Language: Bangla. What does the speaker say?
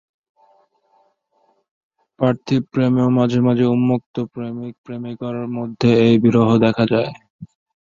পার্থিব প্রেমেও মাঝে মাঝে উন্মত্ত প্রেমিক-প্রেমিকার মধ্যে এই বিরহ দেখা যায়।